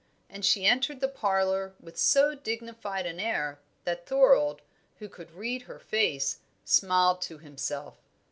And she entered the parlour with so dignified an air that Thorold, who could read her face, smiled to himself.